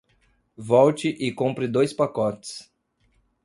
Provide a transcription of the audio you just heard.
Volte e compre dois pacotes.